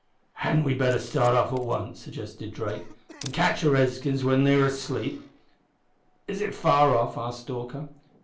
"Hadn't we better start off at once," suggested Drake, "an' catch the redskins when they're asleep?" "Is it far off?" asked Stalker.